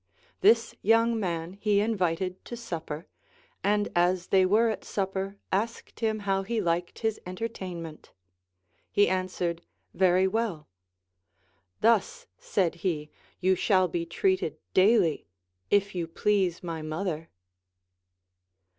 This young man he invited to supper, and as they weve at supper asked him how he liked his entertain ment. He ansAvered, Very Avell. Thus, said he, you shall be treated daily, if you please my mother.